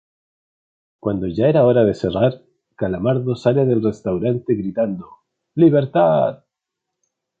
Cuando ya era hora de cerrar, Calamardo sale del restaurante gritando: ""¡Libertad!"".